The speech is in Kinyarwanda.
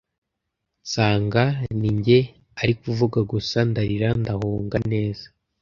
nsanga ninjye ari kuvuga gusa ndarira ndahonga neza,